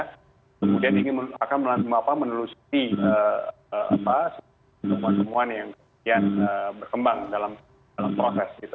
kemudian ini akan menelusuri semua semua yang kemudian berkembang dalam proses gitu